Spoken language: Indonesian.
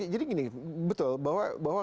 jadi gini betul bahwa